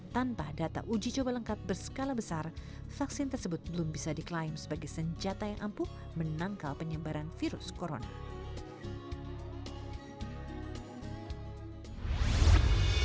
tanpa data uji coba lengkap berskala besar vaksin tersebut belum bisa diklaim sebagai senjata yang ampuh menangkal penyebaran virus corona